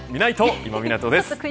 今湊です。